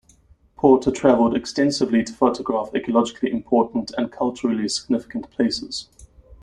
Porter traveled extensively to photograph ecologically important and culturally significant places.